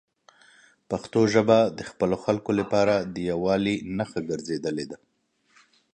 پښتو ژبه د خپلو خلکو لپاره د یووالي نښه ګرځېدلې ده.